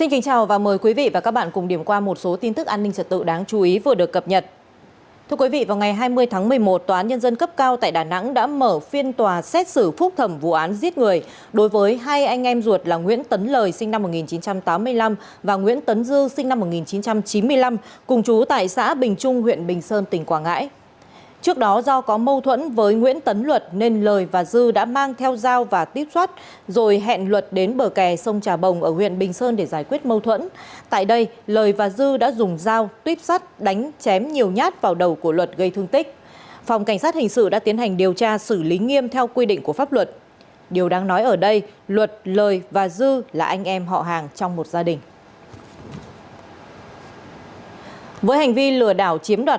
hãy đăng ký kênh để ủng hộ kênh của chúng mình nhé